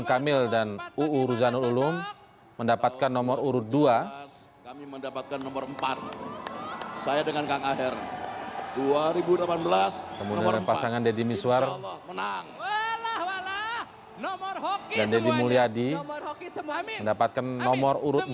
ada nilai nomor urut tiga